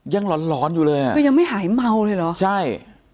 ยังร้อนร้อนอยู่เลยอ่ะก็ยังไม่หายเมาเลยหรอใช่